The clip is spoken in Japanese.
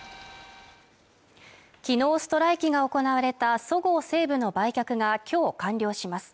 きのうストライキが行われたそごう・西武の売却がきょう完了します